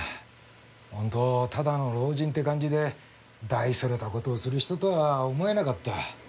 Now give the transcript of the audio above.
本当ただの老人って感じで大それた事をする人とは思えなかった。